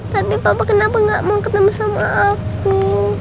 tapi bapak kenapa gak mau ketemu sama aku